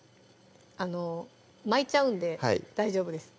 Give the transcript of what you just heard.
あの巻いちゃうんで大丈夫です